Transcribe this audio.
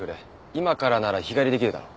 今からなら日帰りできるだろ。